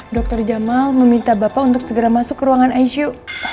dokter jamal meminta bapak untuk segera masuk ke ruangan icu